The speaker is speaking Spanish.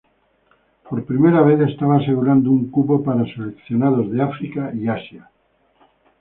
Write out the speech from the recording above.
Por primera vez estaba asegurado un cupo para seleccionados de África y Asia.